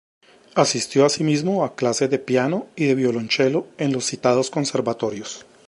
Asistió asimismo a clases de piano y de violoncello en los citados conservatorios.